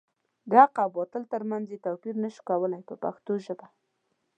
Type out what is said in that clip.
د حق او باطل تر منځ یې توپیر نشو کولای په پښتو ژبه.